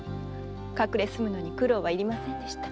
隠れ住むのに苦労はいりませんでした。